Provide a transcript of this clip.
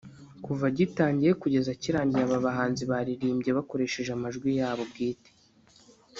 kuva gitangiye kugeza kirangiye aba bahanzi baririmbye bakoresheje amajwi yabo bwite